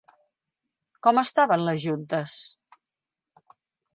Com estaven les juntes?